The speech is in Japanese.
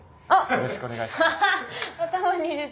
よろしくお願いします。